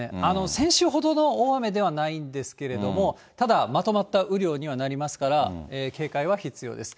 先週ほどの大雨ではないんですけれども、ただまとまった雨量にはなりますから、警戒は必要です。